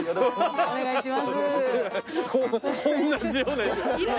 お願いします。